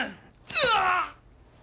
うわあっ！